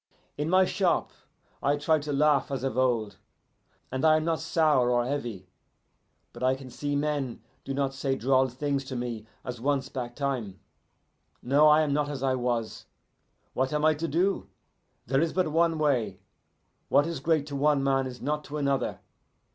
In my shop I try to laugh as of old, and I am not sour or heavy, but I can see men do not say droll things to me as once back time. No, I am not as I was. What am I to do? There is but one way. What is great to one man is not to another.